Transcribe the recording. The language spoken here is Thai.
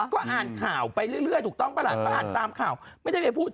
ก็อ่านข่าวไปเรื่อยถูกต้องประหลาดเบาะอ่านตามข่าว